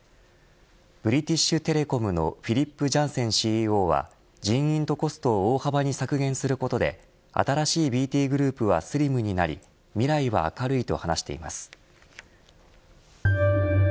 ブリティッシュ・テレコムのフィリップ・ジャンセンＣＥＯは人員とコストを大幅に削減することで新しいＢＴグループはスリムになり未来は明るいと話しています。